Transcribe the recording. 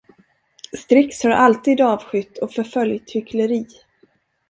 Strix har alltid avskytt och förföljt hyckleri.